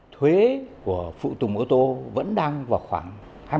thuế của phụ tùng ô tô vẫn đang vào khoảng hai mươi